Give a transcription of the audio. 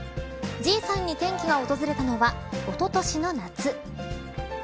Ｇ３に転機が訪れたのはおととしの夏。